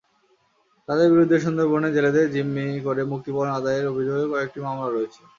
তাঁদের বিরুদ্ধে সুন্দরবনে জেলেদের জিম্মি করে মুক্তিপণ আদায়ের অভিযোগে কয়েকটি মামলা রয়েছে।